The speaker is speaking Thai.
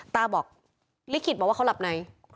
ตาบอกลิขิตบอกว่าเขาหลับไหน